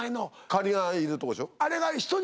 カニがいるとこでしょ。